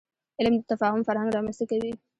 علم د تفاهم فرهنګ رامنځته کوي.